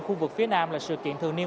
khu vực phía nam là sự kiện thường niên